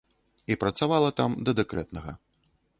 І працавала там да дэкрэтнага.